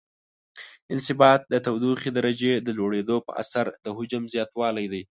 انبساط د تودوخې درجې د لوړیدو په اثر د حجم زیاتوالی دی.